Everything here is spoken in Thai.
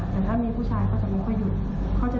แต่ถ้ามีผู้ชายเขาจะมุ่งพะหยุดเขาจะเดินผ่านไปเฉย